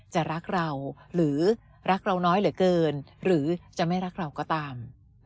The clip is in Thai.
จะรักเราหรือรักเราน้อยเหลือเกินหรือจะไม่รักเราก็ตาม